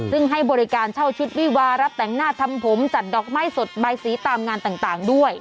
ซึ่งให้บริการเช่าชุดวิวารับแต่งหน้าทำผมจัดดอกไม้สดใบสีตามงานต่างด้วย